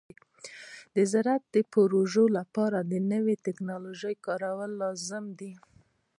د زراعتي پروژو لپاره د نوې ټکنالوژۍ کارول لازمي دي.